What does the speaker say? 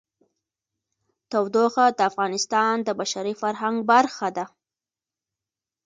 تودوخه د افغانستان د بشري فرهنګ برخه ده.